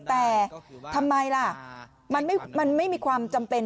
แต่ทำไมล่ะมันไม่มีความจำเป็น